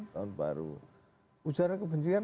tahun baru ujarah kebencian